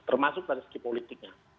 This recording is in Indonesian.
termasuk dari segi politiknya